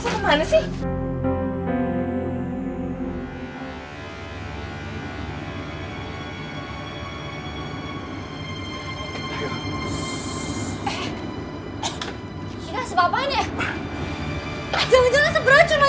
jangan jangan rasa beracun lagi